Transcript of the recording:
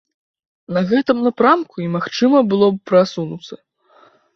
На гэтым напрамку і магчыма было б прасунуцца.